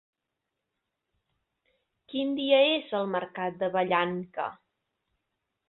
Quin dia és el mercat de Vallanca?